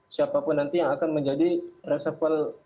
siapapun nanti yang akan menjadi resapel